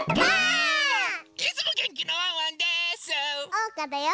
おうかだよ！